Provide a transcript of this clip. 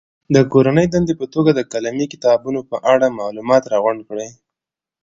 د کورنۍ دندې په توګه د قلمي کتابونو په اړه معلومات راغونډ کړي.